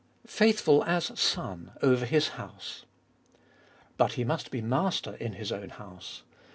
3. Faithful as Son over His house. But He must be Master in His own house.